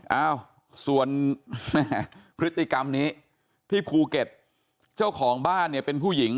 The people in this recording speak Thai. เอ้าส่วนพฤติกรรมนี้ที่ภูเก็ตเจ้าของบ้านเนี่ยเป็นผู้หญิง